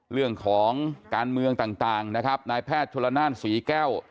เรื่องของการเมืองต่างนะครับนายแพทย์ชนละนานศรีแก้ว